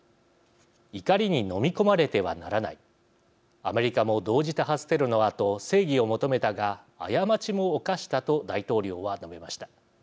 怒りに飲み込まれてはならないアメリカも、同時多発テロのあと正義を求めたが、過ちも犯したと大統領は述べました。